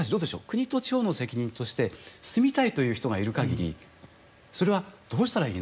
国と地方の責任として住みたいという人がいる限りそれはどうしたらいいのか。